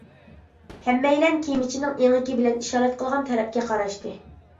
ھەممەيلەن كېمىچىنىڭ ئېڭىكى بىلەن ئىشارە قىلغان تەرەپكە قاراشتى.